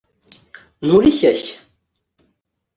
nturi shyashya